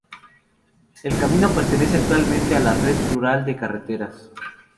El camino pertenece actualmente a la red rural de carreteras.